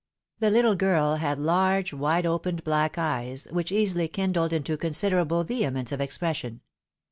The httle girl had large wide opened black eyes, which easily kindled into considerable vehemence of expression.